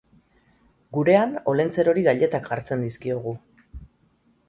Gurean Olentzerori gailetak jartzen dizkiogu.